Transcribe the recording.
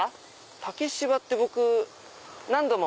竹芝って僕何度も。